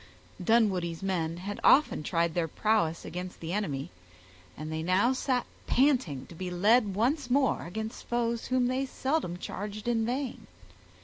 Dunwoodie's men had often tried their prowess against the enemy, and they now sat panting to be led once more against foes whom they seldom charged in vain.